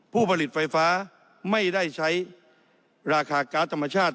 ผู้ผลิตไฟฟ้าไม่ได้ใช้ราคาการ์ดธรรมชาติ